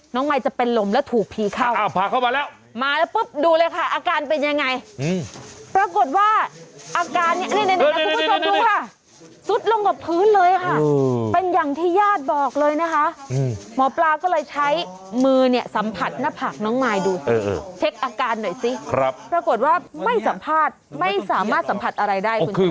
น้องไมค์จะเป็นลมแล้วถูกผีเข้าพาเข้ามาแล้ว